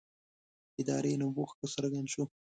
ادارې نبوغ ښه څرګند شو.